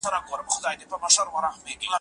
د پیروي ډنډ ګونګرې وشرنګولې